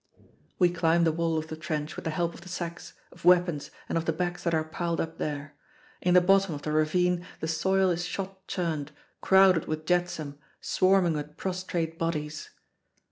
We climb the wall of the trench with the help of the sacks, of weapons, and of the backs that are piled up there. In the bottom of the ravine the soil is shot churned, crowded with jetsam, swarming with prostrate bodies.